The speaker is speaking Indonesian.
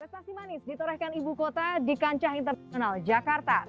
prestasi manis ditorehkan ibu kota di kancah internasional jakarta